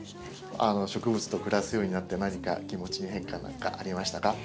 植物と暮らすようになって何か気持ちの変化なんかありましたか？